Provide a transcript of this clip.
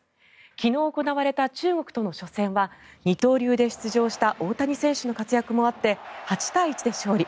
昨日行われた中国との初戦は二刀流で出場した大谷選手の活躍もあって８対１で勝利。